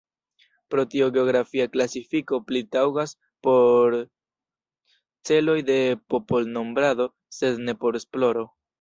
Pro tio geografia klasifiko pli taŭgas por celoj de popolnombrado, sed ne por esploro.